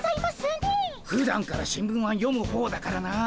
ふだんから新聞は読む方だからな。